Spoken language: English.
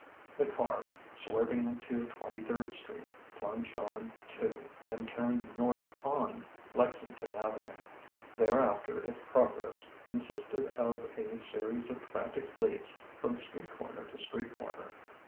The car, swerving into Twenty third Street, plunged on to and turned north on Lexington Avenue. Thereafter its progress consisted of a series of frantic leaps from street corner to street corner.